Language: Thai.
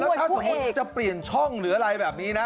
ถ้าสมมุติจะเปลี่ยนช่องหรืออะไรแบบนี้นะ